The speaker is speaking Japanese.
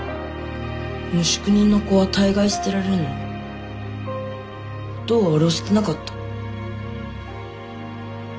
無宿人の子は大概捨てられるのにおとうは俺を捨てなかった。